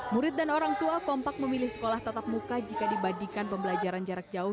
murid dan orang tua kompak memilih sekolah tatap muka jika dibandingkan pembelajaran jarak jauh